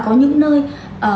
có những nơi giãn cách xã hội